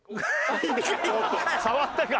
触ったか？